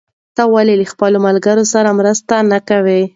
ته ولې له خپلو ملګرو سره مرسته نه کوې؟